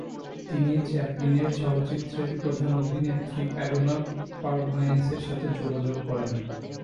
তিনি চ্যাপলিনের চলচ্চিত্রের প্রধান অভিনেত্রী এডনা পারভায়েন্সের সাথে যোগাযোগ করেন।